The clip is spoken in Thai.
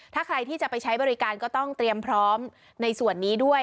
ถ้าใครที่จะไปใช้บริการก็ต้องเตรียมพร้อมในส่วนนี้ด้วย